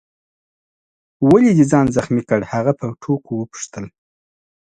ولي دي ځان زخمي کړ؟ هغه په ټوکو وپوښتل.